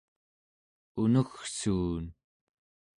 unuggsuun